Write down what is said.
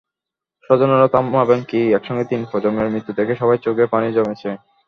স্বজনেরা থামাবেন কী, একসঙ্গে তিন প্রজন্মের মৃত্যু দেখে সবারই চোখে পানি জমেছে।